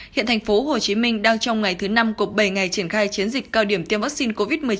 hiện tp hcm đang trong ngày thứ năm của bảy ngày triển khai chiến dịch cao điểm tiêm vaccine covid một mươi chín